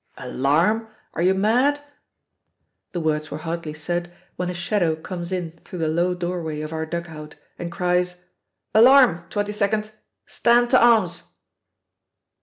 "Alarm? Are you mad?" The words were hardly said when a shadow comes in through the low doorway of our dug out and cries "Alarm, 22nd! Stand to arms!"